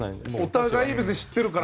お互い知っているから。